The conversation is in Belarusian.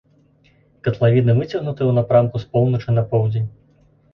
Катлавіна выцягнутая ў напрамку з поўначы на поўдзень.